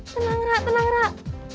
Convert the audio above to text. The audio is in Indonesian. tenang raka tenang raka